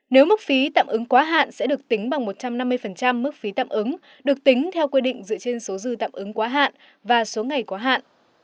nếu mức phí tạm ứng quá hạn sẽ được tính bằng một trăm năm mươi mức phí tạm ứng được tính theo quy định dựa trên số dư tạm ứng quá hạn và số ngày quá hạn